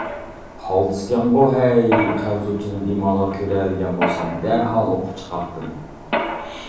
قالتىسكەنغۇ؟ ھەي، خەنزۇچىنى بىمالال كۆرەلىگەن بولسام، دەرھال ئوقۇپ چىقاتتىم.